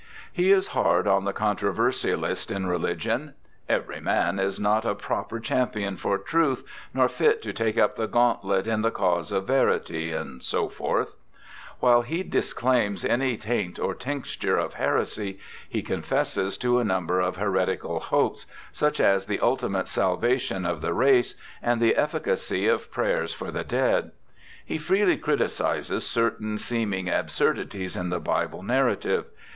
He is hard on the controversialist in religion —' every man is not a proper champion for truth, nor fit to take up the gauntlet in the cause of verity', &c. While he disclaims any 'taint or tincture ' of heresy, he confesses to a number of heretical hopes, such as the ultimate salvation of the race, and the efficacy of prayers for the dead. He freely criticizes certain seeming absurdities in the Bible narrative.